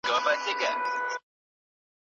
که حقيقت پټ سي نو فساد پيدا کيږي.